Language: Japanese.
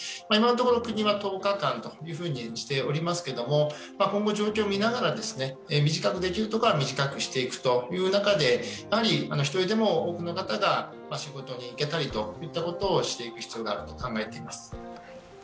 今のところ、国は１０日間としておりますけれども、今後、状況を見ながら短くできるところは短くしていくということで一人でも多くの方が仕事にいけたりということをしていく必要があると思います。